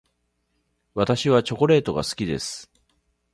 私はチョコレートが好きです。